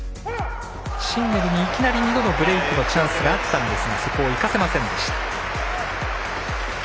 シンネルにいきなり２度のブレークのチャンスがあったんですがそこを生かせませんでした。